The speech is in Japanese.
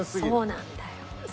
そうなんだよ。